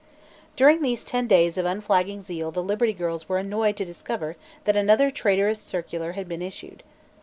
During these ten days of unflagging zeal the Liberty Girls were annoyed to discover that another traitorous circular had been issued.